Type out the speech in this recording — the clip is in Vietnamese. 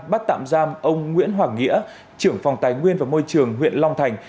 bắt tạm giam ông nguyễn hoàng nghĩa trưởng phòng tài nguyên và môi trường huyện long thành